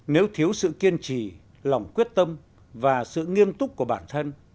nếu thiếu sự kiên trì lòng quyết tâm và sự nghiêm túc của bản thân